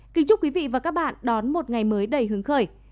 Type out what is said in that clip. kính chúc quý vị và các bạn đón một ngày mới đầy hứng khởi